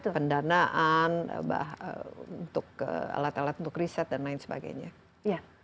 pendanaan untuk alat alat untuk riset dan lain sebagainya